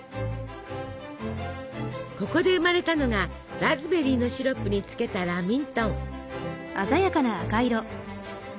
ここで生まれたのがラズベリーのシロップにつけたラミントン。